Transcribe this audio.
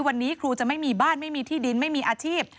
วันนี้ครูจะไม่มีบ้านไม่มีที่ดินไม่มีอาชีพ